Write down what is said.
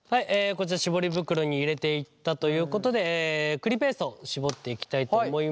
こちら絞り袋に入れていったということで栗ペーストを絞っていきたいと思いますけども。